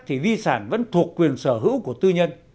thì di sản vẫn thuộc quyền sở hữu của tư nhân